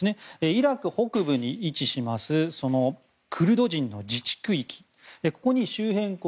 イラク北部に位置しますクルド人の自治区域